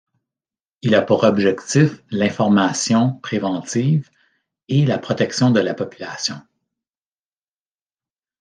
Il a pour objectif l'information préventive et la protection de la population.